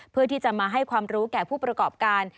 เพื่อที่จะมาให้ความรู้แก่ผู้ประกอบการ